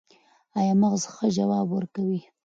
ایا مغز ښه ځواب ورکوي؟